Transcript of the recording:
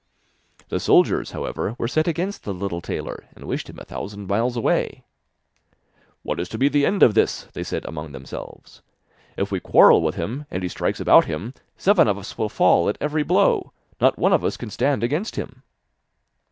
The soldiers, however, were set against the little tailor, and wished him a thousand miles away. 'What is to be the end of this?' they said among themselves. 'If we quarrel with him, and he strikes about him, seven of us will fall at every blow; not one of us can stand against him.